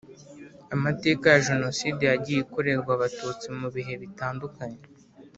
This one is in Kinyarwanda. amateka ya jenoside yagiye ikorerwa abatutsi mu bihe bitandukanye